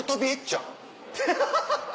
ハハハハ！